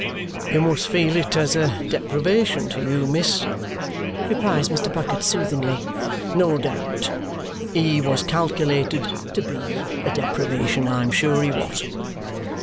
"You must feel it as a deprivation to you, miss," replies Mr. Bucket soothingly, "no doubt. He was calculated to BE a deprivation, I'm sure he was."